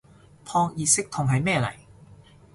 撲熱息痛係咩嚟